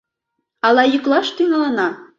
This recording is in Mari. — Ала йӱклаш тӱҥалына?